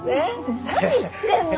何言ってんの？